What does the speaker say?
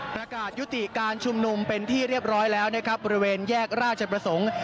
ประกาศยุติการชุมนุมเป็นที่เรียบร้อยแล้วนะครับบริเวณแยกราชประสงค์